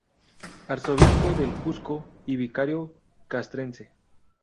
Arzobispo del Cusco y Vicario castrense.